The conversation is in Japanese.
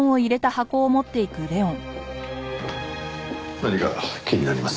何か気になります？